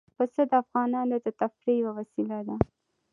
پسه د افغانانو د تفریح یوه وسیله ده.